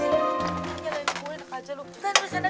ini gilanya gue yang ngekajal lo